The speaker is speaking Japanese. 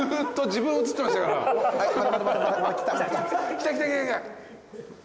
来た来た来た来た。